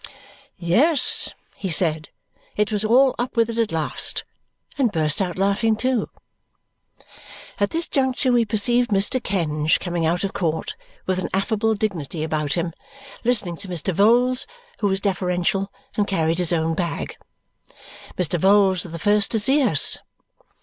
Yes, he said, it was all up with it at last, and burst out laughing too. At this juncture we perceived Mr. Kenge coming out of court with an affable dignity upon him, listening to Mr. Vholes, who was deferential and carried his own bag. Mr. Vholes was the first to see us.